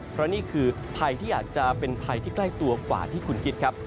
เพราะนี่คือภัยที่อาจจะเป็นภัยที่ใกล้ตัวกว่าที่คุณคิดครับ